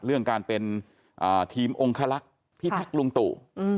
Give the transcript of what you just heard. เรื่องการเป็นทีมองคลักษณ์พิทักษ์ลุงตู่